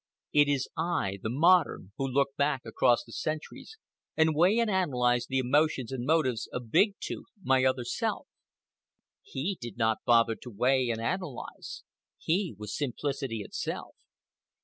It is I, the modern, who look back across the centuries and weigh and analyze the emotions and motives of Big Tooth, my other self. He did not bother to weigh and analyze. He was simplicity itself.